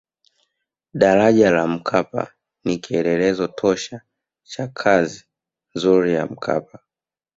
daraja la mkapa ni kielelezo tosha cha kazi nzuri ya mkapa